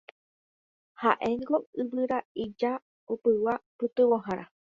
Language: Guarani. Haʼéngo yvyraʼija opygua pytyvõhára.